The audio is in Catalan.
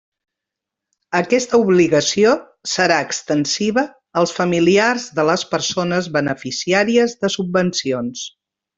Aquesta obligació serà extensiva als familiars de les persones beneficiàries de subvencions.